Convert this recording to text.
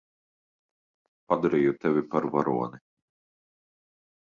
Padarīju tevi par varoni.